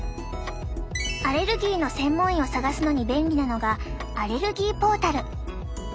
アレルギーの専門医を探すのに便利なのがアレルギーポータル。